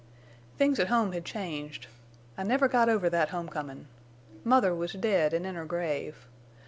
"Things at home had changed. I never got over that homecomin'. Mother was dead an' in her grave.